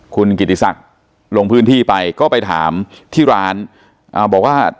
คุณกิติศักดิ์ลงพื้นที่ไปก็ไปถามที่ร้านอ่าบอกว่า